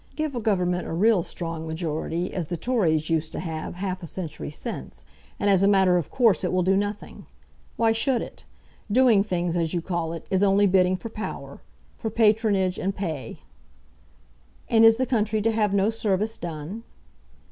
Give a government a real strong majority, as the Tories used to have half a century since, and as a matter of course it will do nothing. Why should it? Doing things, as you call it, is only bidding for power, for patronage and pay." "And is the country to have no service done?"